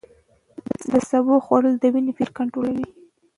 د سبو خوړل د وینې فشار کنټرولوي.